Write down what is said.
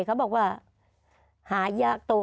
เขาบอกว่าหายากโต